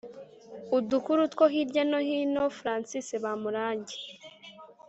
udukuru two hirya no hino françoise bamurange